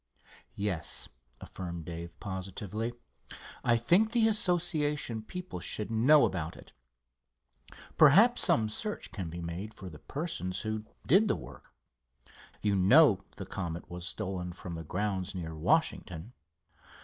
"Yes," affirmed Dave, positively. "I think the Association people should know about it. Perhaps some search can be made for the persons who did the work. You know, the Comet was stolen from the grounds near Washington."